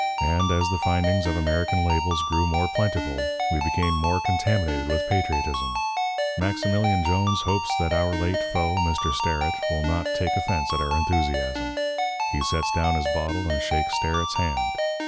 And, as the findings of American labels grew more plentiful, we became more contaminated with patriotism. Maximilian Jones hopes that our late foe, Mr. Sterrett, will not take offense at our enthusiasm. He sets down his bottle and shakes Sterrett's hand.